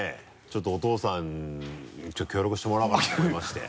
ちょっとお父さんに協力してもらおうかなと思いまして。